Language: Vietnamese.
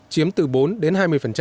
chiếm từ bốn đến hai mươi